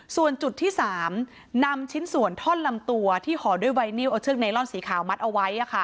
ส่วนจุดที่๓นำชิ้นส่วนท่อนลำตัวที่ห่อด้วยไวนิวเอาเชือกไนลอนสีขาวมัดเอาไว้